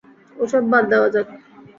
ওসব বাদ দেওয়া যাক।